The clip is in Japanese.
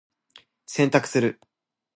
洗濯する。